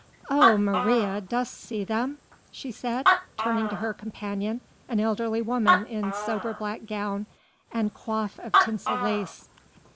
"O Maria! dost see them?" she said, turning to her companion, an elderly woman in sober black gown and coif of tinsel lace.